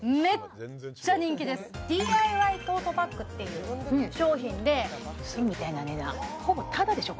ＤＩＹトートバッグっていう商品でウソみたいな値段ほぼタダでしょ